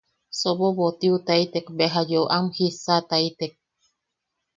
Sobobotiutaitek beja yeu wam jissataitek.